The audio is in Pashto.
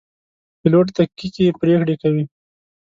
پیلوټ دقیقې پرېکړې کوي.